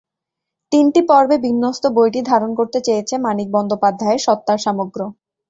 তিনটি পর্বে বিন্যস্ত বইটি ধারণ করতে চেয়েছে মানিক বন্দ্যোপাধ্যায়ের সত্তার সামগ্র্য।